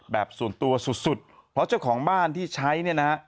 แบบส่วนตัวสุดสุดเพราะเจ้าของบ้านที่ใช้เนี่ยนะฮะ